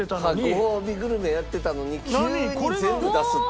ごほうびグルメやってたのに急に全部出すっていう。